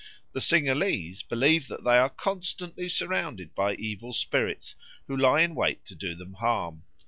The Singhalese believe that they are constantly surrounded by evil spirits, who lie in wait to do them harm.